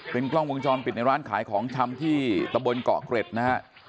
กล้องวงจรปิดในร้านขายของชำที่ตะบนเกาะเกร็ดนะฮะ